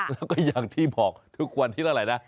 แล้วก็อย่างที่บอกทุกวันที่เท่าไหร่นะ